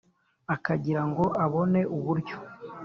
Akagira ngo abone uburyo